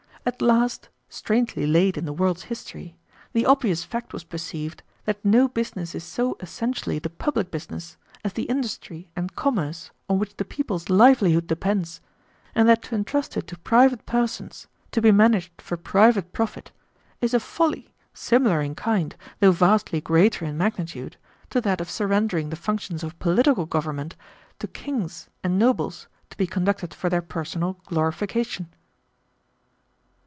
At last, strangely late in the world's history, the obvious fact was perceived that no business is so essentially the public business as the industry and commerce on which the people's livelihood depends, and that to entrust it to private persons to be managed for private profit is a folly similar in kind, though vastly greater in magnitude, to that of surrendering the functions of political government to kings and nobles to be conducted for their personal glorification."